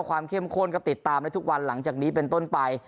เข้มข้นก็ติดตามได้ทุกวันหลังจากนี้เป็นต้นไป